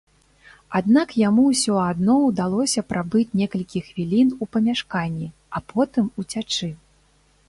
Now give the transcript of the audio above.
Аднак яму ўсё адно ўдалося прабыць некалькі хвілін у памяшканні, а потым уцячы.